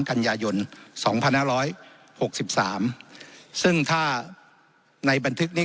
กันยายนสองพันห้าร้อยหกสิบสามซึ่งถ้าในบันทึกนี้